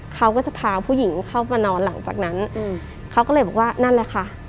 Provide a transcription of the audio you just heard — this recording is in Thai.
เขาก็จะพาผู้หญิงเข้ามานอนหลังจากนั้นอืมเขาก็เลยบอกว่านั่นแหละค่ะ